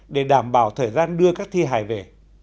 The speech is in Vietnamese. để đảm bảo thời gian đưa các thi hài về